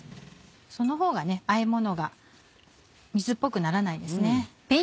そのほうがあえものが水っぽくならないですね。